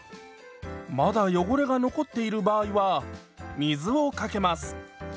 まだ汚れが残っている場合は水をかけます。